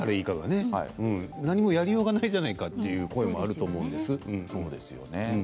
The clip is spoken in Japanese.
何もやりようがないじゃないかという声もありますよね。